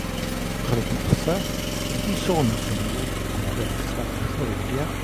Roedd Martha wedi sôn wrthyn nhw am y ferch fach o India.